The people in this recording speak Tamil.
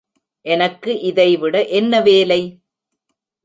எனக்கு இதைவிட என்ன வேலை?